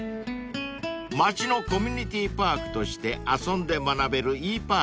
［街のコミュニティーパークとして遊んで学べるＥ−Ｐａｒｋさん］